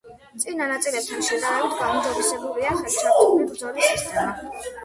წინა ნაწილებთან შედარებით გაუმჯობესებულია ხელჩართული ბრძოლის სისტემა.